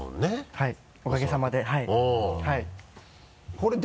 はいおかげさまで。